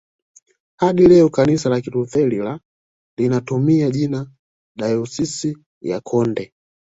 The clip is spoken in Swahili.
Hadi leo kanisa la Kilutheri la linatumia jina dayosisi ya Konde